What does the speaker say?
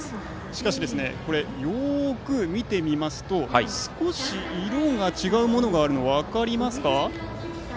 しかし、これよく見てみますと少し色が違うものがあるのが分かりますか？